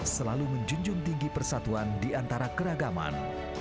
selalu menjunjung tinggi persatuan di antara keragaman